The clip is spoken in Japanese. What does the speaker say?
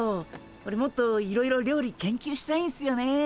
オレもっといろいろ料理研究したいんすよね。